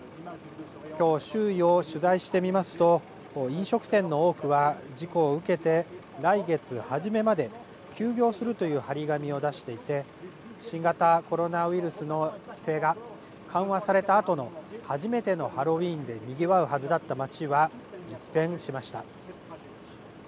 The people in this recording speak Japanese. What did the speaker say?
今日、周囲を取材してみますと飲食店の多くは事故を受けて来月初めまで休業するという貼り紙を出していて新型コロナウイルスの規制が緩和されたあとの初めてのハロウィーンでにぎわうはずだった街は一変しました。